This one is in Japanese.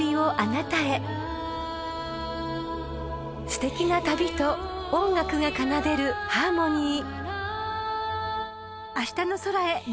［すてきな旅と音楽が奏でるハーモニー］